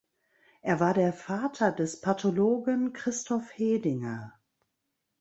Er war der Vater des Pathologen Christoph Hedinger.